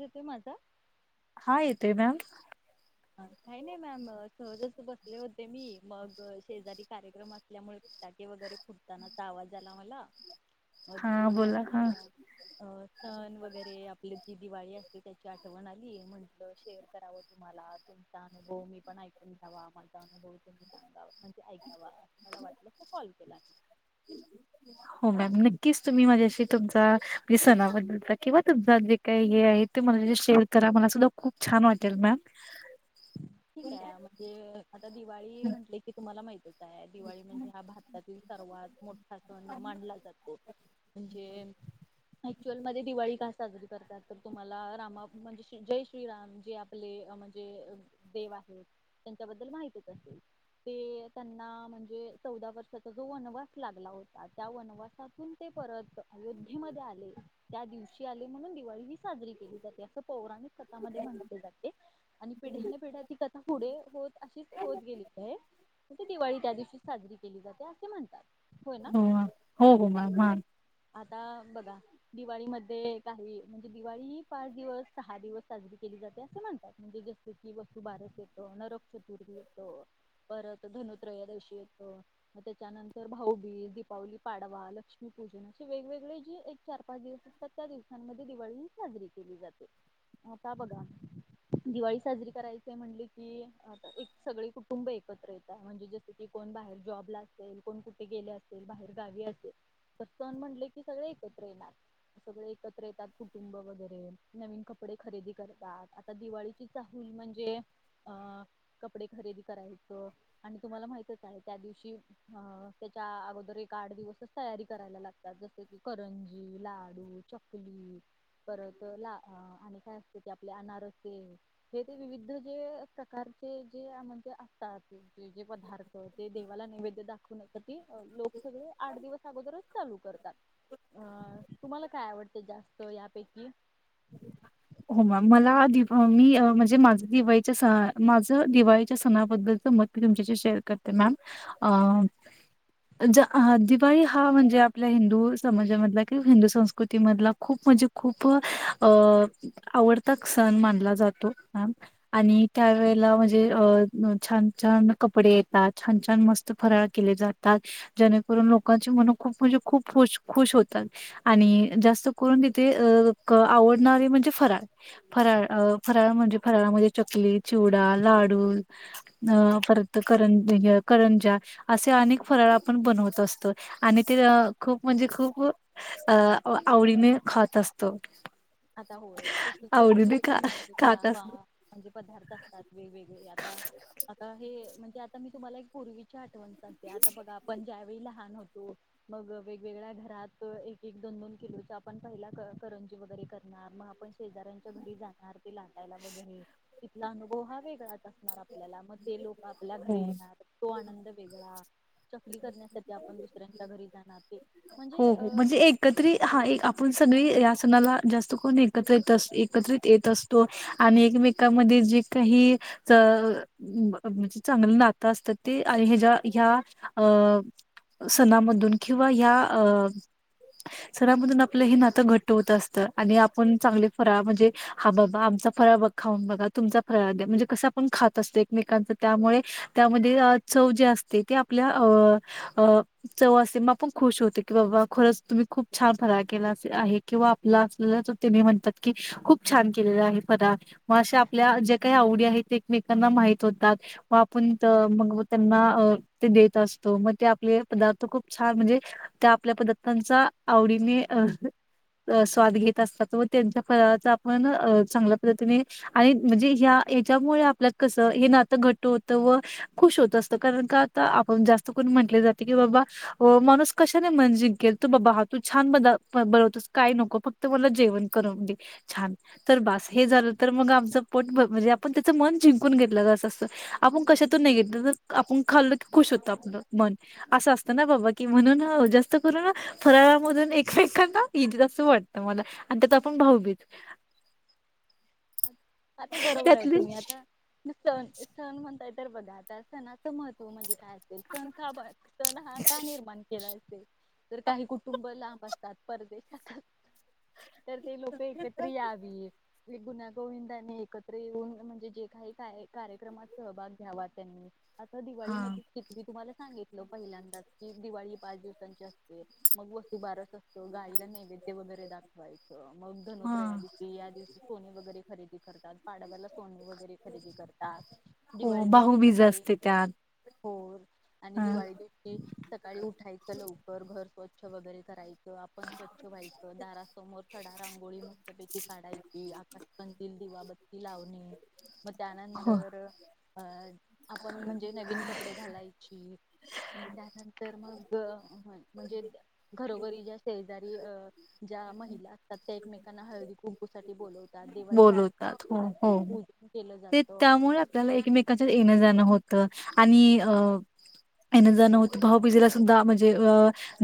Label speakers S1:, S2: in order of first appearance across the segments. S1: येतोय माझा
S2: हा येतोय मॅम
S1: ह काही नाही मॅम सहजस बसले होते मी मग शेजारी कार्यक्रम असल्यामुळे फटाके वगैरे फुटतानाचा आवाज आला लावला मग तो
S2: हा बोला हा
S1: मला अ सण वगैरे आपले ही दिवाळी असते त्याची आठवण आली म्हंटलं शेअर करावं तुम्हाला तुमचा अनुभव मी पण ऐकून घ्यावा माझ अनुभव तुम्ही सांगावा म्हणजे ऐकावा असं मला वाटलं त कॉल केला मी
S2: प्लीज तुम्ही माझ्याशी तुमचा सणाबद्दल किंवा तुमचा जे काही हे आहे ते माझ्या शेअर करा मला सुद्धा खूप छान वाटेल मॅम
S1: ठीक आहे म्हणजे आता दिवाळी म्हंटले की तुम्हाला माहिती कस आहे दिवाळी म्हणजे हा भारतातील सर्वात मोठा सण मानला जातो म्हणजे ऍक्चुअल मध्ये दिवाळी का साजरी करतात तर तुम्हाला रामा म्हणजे जय श्रीराम जे आपले म्हणजे देव आहेत त्यांच्याबद्दल माहितीच असेल ते त्यांना म्हणजे चौदा वर्षाचा जो वनवास लागला होता त्या वनवासातून ते परत अयोध्येमध्ये आले त्या दिवशी आले म्हणून दिवाळी ही साजरी केली जाते असं पौराणिक शता मध्ये म्हंटले जाते आणि पिढ्या पेढ्या ती कथा पुढे होत अशीच होत गेली काय ते दिवाळी त्या दिवशीच साजरी केली जाते असे म्हणतात. होय ना
S2: हो मॅम हो हो मॅम
S1: आता बघा दिवाळीमध्ये काही म्हणजे दिवाळी ही पाच दिवस, सहा दिवस साजरी केली जाते असं म्हणतात म्हणजे जसे वसुबारस येत, नरक चतुर्थी येत, परत धनुत्रयोदशी येतं मग त्याच्यानंतर भाऊबीज, दीपावली पाडवा, लक्ष्मीपूजन असे वेगवेगळे जे एक चार पाच दिवस असतात त्या दिवसांमध्ये दिवाळी ही साजरी केली जाते आता बघा दिवाळी साजरी करायचाय म्हटल की आता एक सगळे कुटुंब एकत्र येता म्हणजे जस की कोण बाहेर जॉबला असेल, कोण कुठे गेले असेल, बाहेर गावी असेल तर सन म्हणले की सगळे एकत्र येणार सगळे एकत्र येतात, कुटुंब वगैरे नवीन कपडे खरेदी करतात. आता दिवाळीची चा फुल म्हणजे अ कपडे खरेदी करायचं आणि तुम्हाला माहिती आहे का त्या दिवशी अं त्याच्या अगोदर एक आठ दिवसच तयारी करायला लागत्या जस की करंजी, लाडू, चकली परत ला-आणि काय असत ते आपले अनारसे हे ते विविध जे प्रकारचे जे म्हणजे असतात ते. ते जे पदार्थ ते देवाला नैवेद्य दाखवून ती लोक सगळे आठ दिवस अगोदरच चालू करतात अ तुम्हाला काय आवडतय जास्त? हो यापैकी
S2: हो मॅम मला व्ह मी म्हणजे माझं दिवाळीच्या सणाबद्दलच माझं दिवाळीच्या सणाबद्दलच मत मी तुमच्याशी शेअर करते मॅम अ दिवाळी हा म्हणजे आपल्या हिंदू समाजामधला किंवा हिंदू संस्कृतीमधला खूप म्हणजे खूप अ आवडता सण मानला जातो मॅम आणि त्यावेेळेला म्हणजे अ छान-छान कपडे येतात, छान छान मस्त फराळ केले जातात जेणेकरून लोकांची मनं खूप म्हणजे खूप खुश खुश होतात आणि जास्त करून तिथे आवडणारे म्हणजे फराळ. फराळ फराळ म्हणजे फराळामध्ये चकली, चिवडा, लाडू अ परत करंज करंजा असे अनेक फराळ आपण बनवत असतो आणि ते खूप म्हणजे खूप अ आवडीने खात असतो.
S1: आता होय क तुम्ही
S2: आवडीने खा
S1: सांगितला
S2: खात असतो
S1: म्हणजे पदार्थ असतात वेगवेगळे आता आता हे ते आता मी तुम्हाला एक पूर्वीची आठवण आता बघा आपण ज्यावेळी लहान होतो मग वेगवेगळ्या घरात एक एक दोन दोन किलो च आपण पहिला करंजी वगैरे मग आपण शेजाऱ्यांच्या घरी जाणार लाटायला वगैरे तिथला अनुभव हा वेगळा आता आपल्याला मग ते लोक आपल्या
S2: हो
S1: घरी येणार तो आनंद वेगळा चकली करण्यासाठी आपण दुसऱ्यांच्या घरी जाणार ते म्हणजे
S2: हो
S1: अ
S2: म्हणजे एकत्रि हा आपण सगळी या सणाला जात चुकून एकत्र एकत्रित येत असतो आणिे एकमेकांमध्ये जे काही चांगलं नातं असत ते ह ह्या सणामधून ह सणामधून आपलं हे नातं घट्ट होत असतं आणि आपण चांगले फराळ म्हणजे हा बाबा आमचा फराळ बघ खाऊन बघा तुमचा फराळ म्हणजे कसं आपण खात असतो एकमेकांच त्यामुळे त्यामध्ये चव जे असते ते आपल्या चव असते म खूप खुश होते की बाबा खरंच तुम्ही खूप छान फराळ केला आहे किंवा आपला असलेला ते म्हणतात कि खूप छान केलेला आहे फराळ म जे आपल्या जे काही आवडी आहे ते एकमेकांना माहित होतात म आपण मग त्यांना ते देत असतो मग ते आपले पदार्थ खूप म्हणजे त्या आपल्या पदार्थांचा आवडीने अ स्वाद घेत असतात व त्यांच्या फराळाचा आपण चांगल्या पद्धतीने आणि म्हणजे ह्या हच्यामुळे आपल्यात कसं हे नातं घट्ट होतं जात व खुश होत असतं कारण का आता आपण जास्त करून म्हटले जाते की बाबा हो माणूस कशाने मन जिंकेल तू बाबा हा तू छान बनवतोस काय नको फक्त मला जेवण करून दे छान तर बस हे झालं तर मग आमच पोट म्हणजे आपण त्याच मन जिंकून घेतलं जा असं असतं आपण कशा तुन आपण खाल्ल की खुश होत आपलं मन असं असतं ना बाबा कि म्हणून हो जास्त करून फराळामधून एकमेकांना असं वाटत मला आणि त्यात आपण भाऊबीज
S1: आता बरोबर आहे
S2: त्यातली
S1: तुम्ही आता सण सण म्हणताय तर बघा आता सणाचं महत्त्व म्हणजे काय असेल सण का सण हा का निर्माण केला तर काही कुटुंब लांब असतात परदेशात असतात तर ते लोक एकत्र यावी लिबूनान गोविंदांनी एकत्र येऊन म्हणजे जे काही कार्यक्रमात सहभाग घ्यावा त्यांनी हो
S2: हा
S1: दिवाळीमध्येकी मी तुम्हाला हे पहिल्यांदा की दिवाळी पाच दिवसांचे असते. मग वसुबारच असतं गायला नैवेद्य वगैरे दाखवायचं मग
S2: हा
S1: धनोत्र या दिवशी या दिवशी सोने वगैरे खरेदी करतात पाडव्याला सोने वगैरे खरेदी करतात
S2: हो
S1: दिवाळी दिवशी
S2: भाऊबीज
S1: सकाळी
S2: असते त्यात
S1: हो आणि
S2: हा
S1: दिवाळी दिवशी सकाळी उठायचं लवकर भर स्वच्छ वगैरे कराय आपण स्वच्छ व्हायचं दारासमोर सडा रांगोळी मस्तपैकी काढायची आकाशात बाबत ते लावणे मग
S2: हो
S1: त्यानंतर अ आपण म्हणजे नवीन कपडे घालायची आणि त्यानंतर मग म्हणजे घरोघरी ज्या शेजारी अ ज्या महिला असतात त्या एकमेकांना हळदी कुंकू साठी बोलव त्यात देवा
S2: बोलवतात हो ते
S1: जात
S2: त्यामुळे आपल्याला एकमेकांच येन जाण हो आणि अअ अन जाणवत भाऊबीजेला सुद्धा म्हणजे अ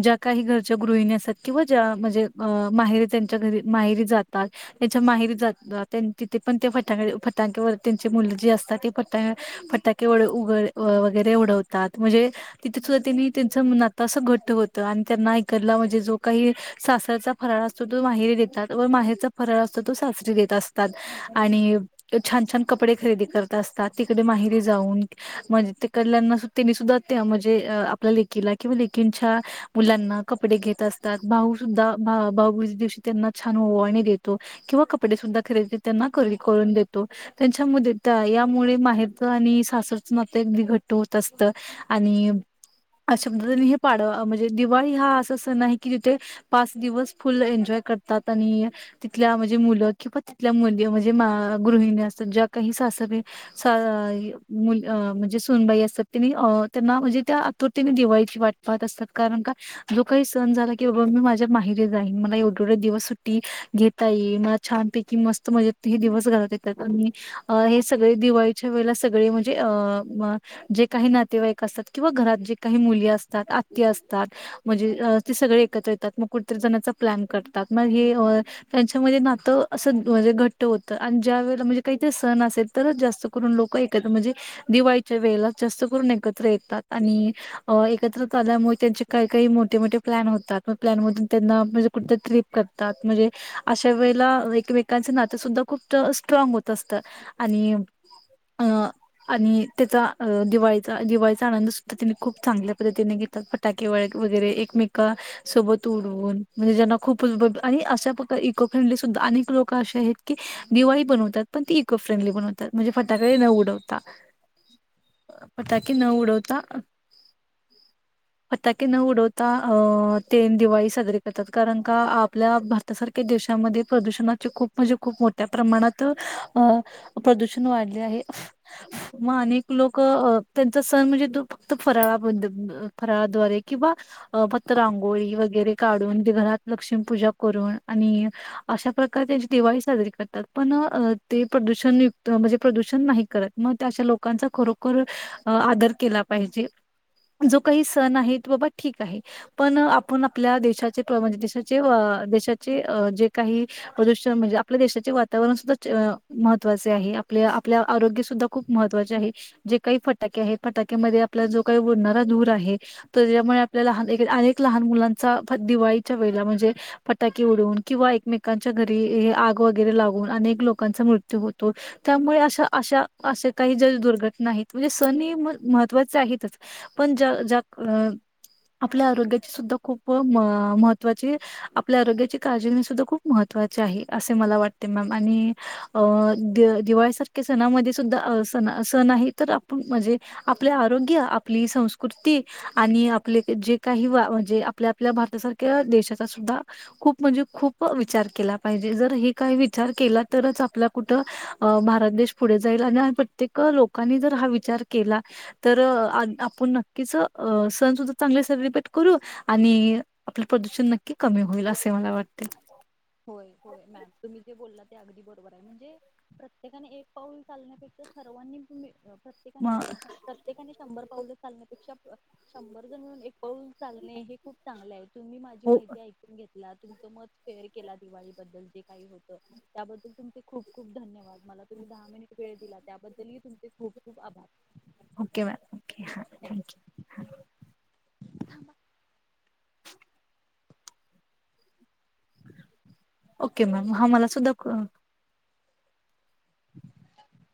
S2: ज्या काही घरच्या गृहिणी असतात किंवा ज्या म्हणजे अ माहेरी त्यांच्या घरी माहेरी जातात त्यांच्या माहेरी जात तिथे पण ते फटाक फटाकेवर त्यांचे मुलं जे असतात ते फट फटाके व उघ वगैरे उडवतात म्हणजे तिथे सुद्धा त्यांनी त्यांच नात अस घट्ट होत आणि त्यांना इकडला म्हणजे जो काही सासरचा फराळ असतो तो माहेरी देतात व माहेरचा फराळ असतो तो सासरी देतात. तसताद आणि ते छान छान कपडे खरेदी करत असतात तिकडे माहिरी जाऊन म्हणजे तिकडल्यांना त्यांनी सुद्धा त्या म्हणजे आपल्या लेकीला किंवा लेकींच्या मुलांना कपडे घेत असतात भाऊ सुद्धा भाऊबीजेदिवशी त्यांना छान ओवांळणी देतो किंवा कपडे सुद्धा खरेदी त्यांना कर करून देतो त्यांच्यामध्ये यामुळे माहेरच आणि सासरच नात अगदी घट्ट होत असत आणि अशा पद्धतीने हे पाड म्हणजे दिवाळी हा असा सण आहे कि तिथे पाच दिवस फुल एन्जॉय करतात आणि तिथल्या म्हणजे मुल तिथल्या मुली म्हणजे मा गृहिणी असतात ज्या काही सासरी सा अअ मुल म्हणजे सुनबाई असतात त्यांनी त्यांना म्हणजे त्या आतुरतेने दिवाळीची वाट पाहत असतात कारण का जो काही सण झाला की बाबा मी माझ्या माहेरी जाईन मला एवढेवढे दिवस सुट्टी घेता येईल मला छानपैकी कि मस्त म्हणजे हे दिवस घरात येतात आणि हे सगळे दिवाळीच्या वेळेला सगळे म्हणजे अ जे काही नातेवाईक असतात किंवा घरात जे काही मुली असतात आत्या असतात म्हणजे ते सगळे एकत्र येतात मग कुठतरी जण्याचा प्लॅन करतात मग हे त्यांच्यामध्ये नात अस म्हणजे घट्ट होत आणि ज्या वेळेला म्हणजे काहीतरी सण असेल तरच जास्त करून लोक एकत्र म्हणजे दिवाळीच्या वेळेला जास्त करून एकत्र येतात आणि एकत्र आल्यामुळे त्यांचे काय काय मोठे मोठे प्लॅन होतात प्लॅन मधून त्यांना म्हणजे कुठ ट्रिप करतात म्हणजे अशा वेळेला एकमेकांच नात सुद्धा खूप स्ट्राग होत असत आणि अ आणि त्याचा दिवाळीचा दिवाळीचा आनंद सुद्धा त्याने खूप चांगल्या पद्धतीने घेतात फटाके वळ वगैरे एकमेका सोबत उडवून म्हणजे ज्यांना खूप आणि अशा प्रकार इको फ्रेंडली सुद्धा आणि लोक असे आहेत की दिवाळी बनवतात पण ती इको फ्रेंडली बनवतात म्हणजे फटाके न उडवता फटाके न उडवता फटाके न उडवता अ ते दिवाळी साजरीे करतात कारण का आपल्या भारतासारख्या देशामध्ये प्रदूषणात खूप म्हणजे खूप मोठ्या प्रमाणात अ प्रदूषण वाढले आहे मग अनेक लोक त्यांचा सण म्हणजे फक्त फराळा फराळाद्वारे किंवा फक्त रांगोळी वगैरे काढून घरात लक्ष्मीपूजा करून आणि अशा प्र त्यांची दिवाळी साजरी करतात पण ते प्रदूषण युक्त म्हणजे प्रदूषण नाही करत मग त्या अशा लोकांचा खरोखर आदर केला पाहिजे जो काही सण आहे की बाबा ठीक आहे पण आपण आपल्या देशाचे [unintelligible] म्हणजे देशाचे देशाचे जे काही प्रदूषण म्हणजे आपल्या देशाचे वातावरण सुद्धा महत्त्वाचे आहे आपले आपल्या आरोग्य सुद्धा खूप महत्त्वाचे आहे जे काही फटाके आहेत फटाक्यामध्ये आपल्याला जो काही उडणारा धूर आहे त्याज्यामुळे आपल्या लहान अनेक लहान मुलांचा दिवाळीच्या वेळेला म्हणजे फटाके उडवून किंवा एकमे त्याच्या घरी हे आग वगैरे लागून अनेक लोकांचा मृत्यू होतो त्यामुळे अशा अशा असे काही ज्या दुर्घटना आहेत म्हणजे सण हे मह महत्त्वाचे आहेतच पण ज्या ज्या आपल्या आरोग्याची सुद्धा खूप महत्वाची आपल्या आरोग्याची काळजी घे सुद्धा खूप महत्त्वाचे आहे असे मला वाटते मॅम आणि अ दि दिवाळीसारख्या सणामध्ये सुद्धा स सण आहे तर आपण मजे आपले आरोग्य आपली संस्कृती आणि आपले जे काही वा म्हणजे आपल्या आपल्या भारतासारख्या देशाचा सुद्धा खूप म्हणजे खूप विचार केला पाहिजे जर हे काही विचार केला तरच आपला कुठ अ भारत देश पुढे जाईल आणि प्रत्येक लोकांनी जर हा विचार केला तर आ आपण नक्कीच सण सुद्धा चांगले सेलिब्रेट करू आणि आपल प्रदूषण नक्की कमी होईल असे मला वाटत. [inaudible]
S1: होय होय मॅम तुम्ही जे बोललात ते अगदी बरोबर आहे म्हणजे प्रत्येकाने एक पाऊल चालण्यापेक्षा सर्वांनी तुमी प्रत्येकाने
S2: मग
S1: सॉरी प्रत्येकाने शंभर पाऊले चालण्यापेक्षा शंभर जण मिळून एक पाऊल चालणे हे खूप चांगले आहे तुम्ही माझी
S2: हो,
S1: माहिती ऐकून घेत ला तुमच मत फेर केला दिवाळीबद्दल जे काही होत त्याबद्दल तुमचे खूप खूप धन्यवाद. मला तुम्ही दहा मिनिट वेळ दिला त्याबद्दलही तुमचे खूप खूप आभार
S2: ओके मॅम ओके हा थँक्यू ह ओके मॅम हा मला सुद्धा
S1: [inaudible]